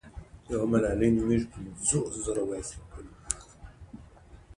ازادي راډیو د هنر په اړه پرله پسې خبرونه خپاره کړي.